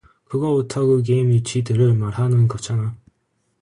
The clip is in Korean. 그거 오타쿠 게임 유저들을 말하는 거잖아.